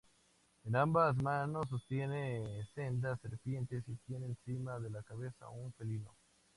En ambas manos sostiene sendas serpientes y tiene encima de la cabeza un felino.